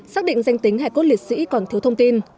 xác định danh tính hải cốt liệt sĩ còn thiếu thông tin